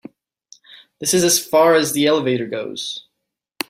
This is as far as the elevator goes.